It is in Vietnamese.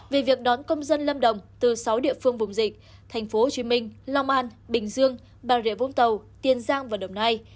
về việc đón công dân lâm đồng từ sáu địa phương vùng dịch tp hcm long an bình dương bà rịa vũng tàu tiền giang và đồng nai